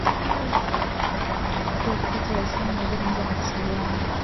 unatakiwa kupata leseni ya huduma za mawasiliano